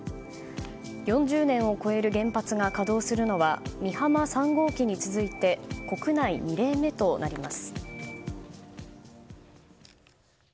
４０年を超える原発が稼働するのは美浜３号機に続いて国内２例目となります。